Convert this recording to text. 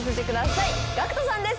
ＧＡＣＫＴさんです